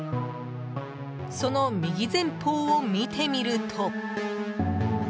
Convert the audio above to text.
その右前方を見てみると。